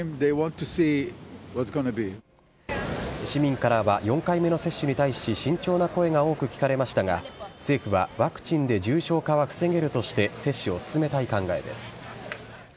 市民からは４回目の接種に対し慎重な声が多く聞かれましたが、政府はワクチンで重症化は防げるとして接種を進めたい考えです。